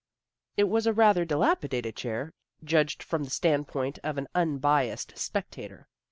It was a rather dilapidated chair, judged from the standpoint of an unbiassed spectator.